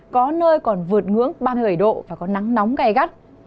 có nơi còn vượt ngưỡng ba mươi độ và có nắng nóng cay gắt